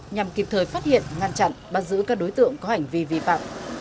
nhằm kịp thời phát hiện ngăn chặn bắt giữ các đối tượng có hành vi vi phạm